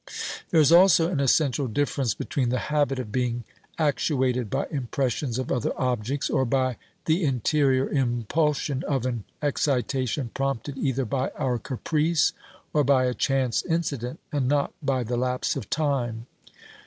There is also an essential difference between the habit of being actuated by impressions of other objects, or by the interior impulsion of an excitation prompted either 272 OBERMANN by our caprice or by a chance incident, and not by the lapse of time.